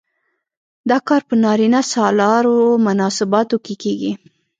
دا کار په نارینه سالارو مناسباتو کې کیږي.